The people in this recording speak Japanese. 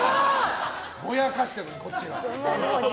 ぼやかしてるのに、こっちは。